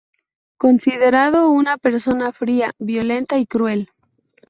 Considerado una persona fría, violenta y cruel.